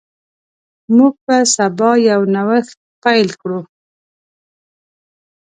موږ به سبا یو نوښت پیل کړو.